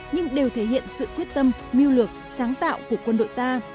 nhưng đều thể hiện sự quyết tâm mưu lược sáng tạo của quân đội ta